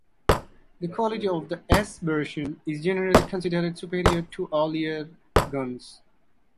The quality of the "S" version is generally considered superior to earlier guns.